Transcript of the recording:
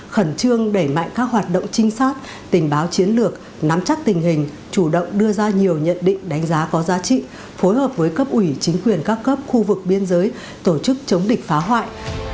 khẩn trương đẩy mạnh các hoạt động trinh sát tình báo chiến lược nắm chắc tình hình chủ động đưa ra nhiều nhận định đánh giá có giá trị phối hợp với cấp ủy chính quyền các cấp khu vực biên giới tổ chức chống địch phá hoại